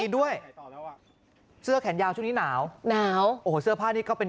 ด้วยเสื้อแขนยาวช่วงนี้หนาวหนาวโอ้โหเสื้อผ้านี้ก็เป็น